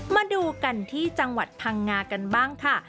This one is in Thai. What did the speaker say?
มาดูกันที่จังหวัดพังงากันบ้างค่ะ